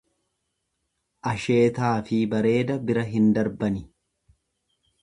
Asheetaafi bareeda bira hin darbani.